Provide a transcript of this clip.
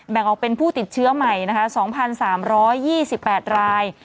แบ่งออกเป็นผู้ติดเชื้อใหม่นะคะ๒๓๒๘ราย